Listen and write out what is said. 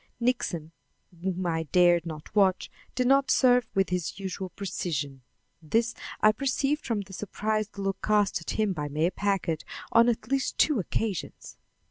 Nixon, whom I dared not watch, did not serve with his usual precision, this I perceived from the surprised look cast at him by Mayor Packard on at least two occasions.